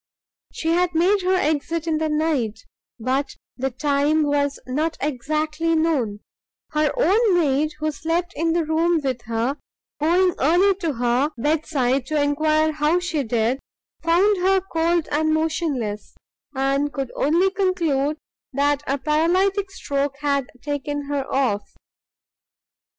She had made her exit in the night, but the time was not exactly known; her own maid, who slept in the room with her, going early to her bedside to enquire how she did, found her cold and motionless, and could only conclude that a paralytic stroke had taken her off.